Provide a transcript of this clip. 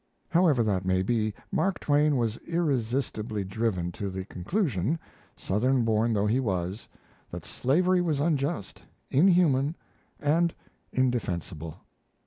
However that may be, Mark Twain was irresistibly driven to the conclusion, Southern born though he was, that slavery was unjust, inhuman, and indefensible.